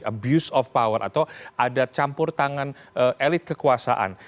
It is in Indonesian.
abuse of power atau ada campur tangan elit kekuasaan